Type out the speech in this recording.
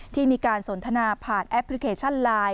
ที่มีการสนทนาผ่านแอปพลิเคชันไลน์